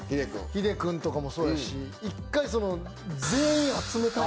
秀君とかもそうやし一回。